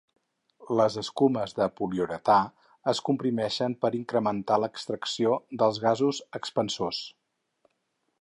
Les escumes de poliuretà es comprimeixen per incrementar l'extracció dels gasos expansors.